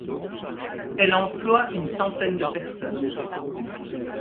Elle emploie une centaine de personnes.